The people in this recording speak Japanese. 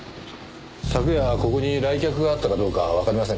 昨夜ここに来客があったかどうかわかりませんか？